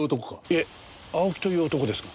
いえ青木という男ですが。